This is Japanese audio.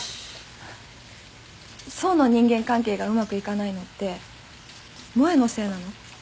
想の人間関係がうまくいかないのって萌のせいなの？